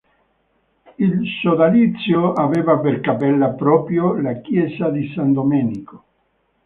Il sodalizio aveva per cappella proprio la chiesa di San Domenico.